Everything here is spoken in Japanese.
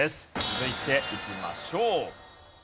続いていきましょう。